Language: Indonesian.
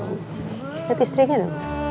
liat istrinya dong